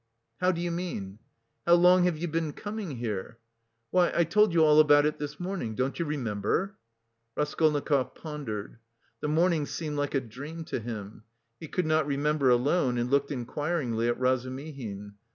"How do you mean?" "How long have you been coming here?" "Why I told you all about it this morning. Don't you remember?" Raskolnikov pondered. The morning seemed like a dream to him. He could not remember alone, and looked inquiringly at Razumihin.